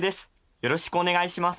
よろしくお願いします。